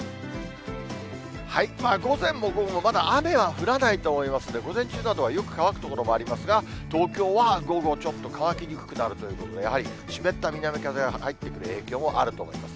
午前も午後もまだ雨は降らないと思いますんで、午前中などはよく乾く所もありますが、東京は午後ちょっと乾きにくくなるということで、やはり湿った南風が入ってくる影響もあると思います。